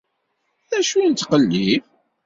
D acu nettqellib?